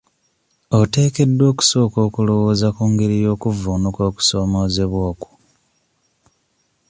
Oteekeddwa okusooka okulowooza ku ngeri y'okuvvuunuka okusoomoozebwa okwo.